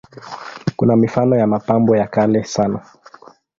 Kuna mifano ya mapambo ya kale sana.